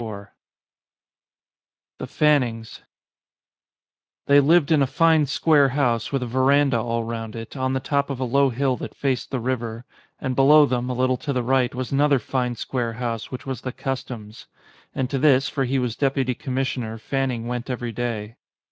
123 XXXII THE FANNINGS THEY lived in a fine square house, with a verandah all round it, on the top of a low hill that faced the river, and below them, a little to the right, was another fine square house which was the customs; and to this, for he was deputy commissioner, Fanning went every day.